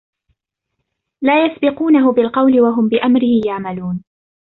لا يسبقونه بالقول وهم بأمره يعملون